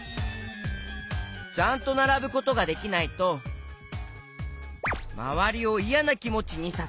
ちゃんとならぶことができないとまわりをいやなきもちにさせる！